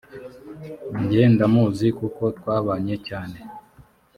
jye ndamuzi kuko twabanye cyane